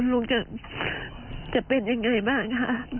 ลูกจะเป็นอย่างไรบ้างคะ